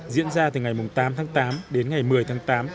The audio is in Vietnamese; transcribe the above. diễn ra từ ngày tám tháng tám đến ngày một mươi tháng tám